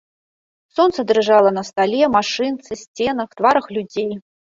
Сонца дрыжала на стале, машынцы, сценах, тварах людзей.